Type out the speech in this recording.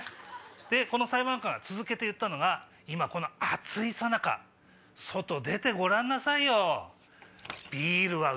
でこの裁判官が続けて言ったのが「今この暑いさなか外出てごらんなさいよ」。